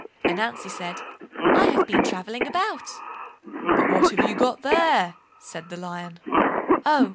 Ananzi said, "I have been travelling about." "But what have you got there?" said the Lion. "Oh!